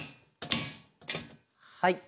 はい。